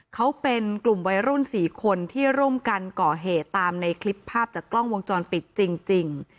เขาเป็นกลุ่มวัยรุ่น๔คนที่ร่วมกันก่อเหตุตามในคลิปภาพจากกล้องวงจรปิดจริง